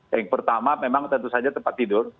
yang pertama memang tentu saja tempat tidur